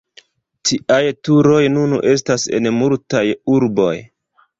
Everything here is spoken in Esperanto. Tiaj turoj nun estas en multaj urboj.